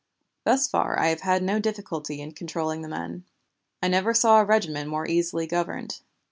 Thus far I have had no difficulty in controlling the men. I never saw a regiment more easily governed.